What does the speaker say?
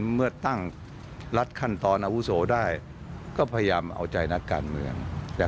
เมื่อตั้งรัฐขั้นตอนอาวุโสได้ก็พยายามเอาใจนักการเมือง